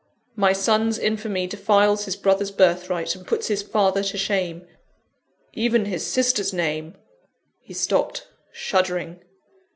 My son's infamy defiles his brother's birthright, and puts his father to shame. Even his sister's name " He stopped, shuddering.